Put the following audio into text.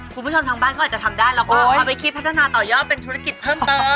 คุณผู้ชมทางบ้านเขาอาจจะทำได้เราก็เอาไปคิดพัฒนาต่อยอดเป็นธุรกิจเพิ่มเติม